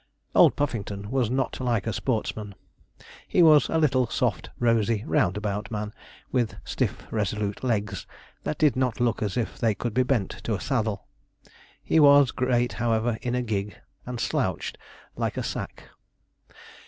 Old Puffington was not like a sportsman. He was a little, soft, rosy, roundabout man, with stiff resolute legs that did not look as if they could be bent to a saddle. He was great, however, in a gig, and slouched like a sack.